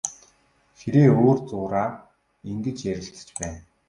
Хэрээ өөр зуураа ингэж ярилцаж байна.